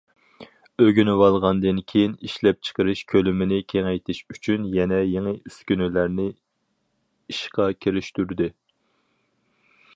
ئۆگىنىۋالغاندىن كېيىن، ئىشلەپچىقىرىش كۆلىمىنى كېڭەيتىش ئۈچۈن، يەنە يېڭى ئۈسكۈنىلەرنى ئىشقا كىرىشتۈردى.